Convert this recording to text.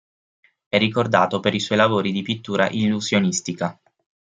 È ricordato per i suoi lavori di pittura illusionistica.